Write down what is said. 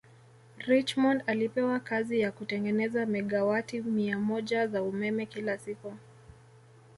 Richmond ilipewa kazi ya kutengeneza megawati mia moja za umeme kila siku